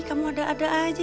kamu ada ada aja